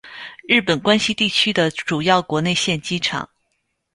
日本关西地区的主要国内线机场。